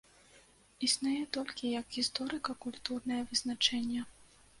Існуе толькі як гісторыка-культурнае вызначэнне.